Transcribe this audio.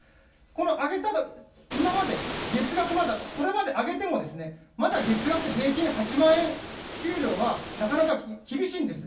この上げたら、今まで月額まだ、これまで上げても、まだ月額平均８万円、給料はなかなか厳しいんです。